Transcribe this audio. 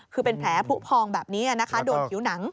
คือเป็นแผลผู้พองแบบนี้นะคะโดนผิวหนัง